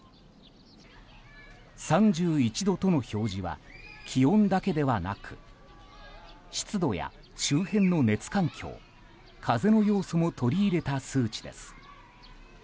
３１度との表示は気温だけではなく湿度や周辺の熱環境風の要素も取り入れた数値です。